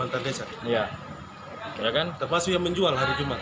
termasuk yang menjual hari jumat